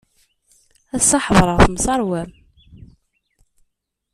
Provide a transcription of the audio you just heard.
Ass-a ḥedṛeɣ temseṛwam.